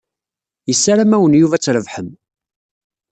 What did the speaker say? Yessaram-awen Yuba ad trebḥem.